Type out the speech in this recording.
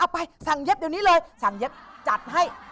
ไปสั่งเย็บเดี๋ยวนี้เลยสั่งเย็บจัดให้